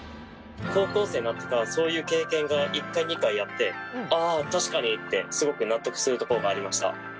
高校生になってからそういう経験が１回２回あって確かにってすごく納得するところがありました。